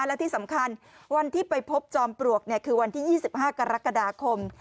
แล้วที่สำคัญวันที่ไปพบจอมปลวกเนี่ยคือวันที่ยี่สิบห้ากรกฎาคม